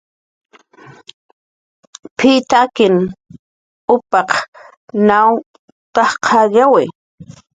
"P""iy t""akin upaq nawn t""aj qallyawi"